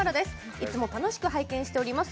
いつも楽しく拝見しております。